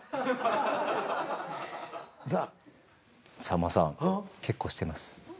さんまさん結構してます。